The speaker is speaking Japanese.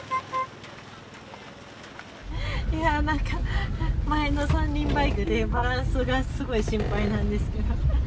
いやあなんか前の三輪バイクでバランスがすごく心配なんですけど。